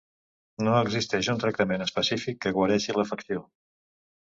No existeix un tractament específic que guareixi l'afecció.